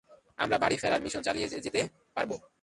আমরা বাড়ির ফেরার মিশন চালিয়ে যেতে পারবো।